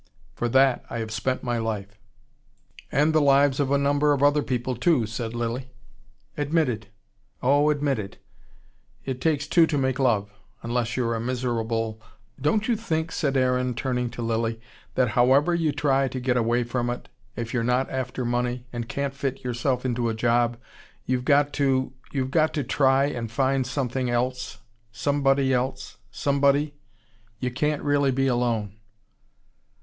For that I have spent my life." "And the lives of a number of other people, too," said Lilly. "Admitted. Oh, admitted. It takes two to make love: unless you're a miserable " "Don't you think," said Aaron, turning to Lilly, "that however you try to get away from it, if you're not after money, and can't fit yourself into a job you've got to, you've got to try and find something else somebody else somebody. You can't really be alone."